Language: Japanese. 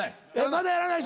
まだやらない。